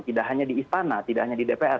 tidak hanya di istana tidak hanya di dpr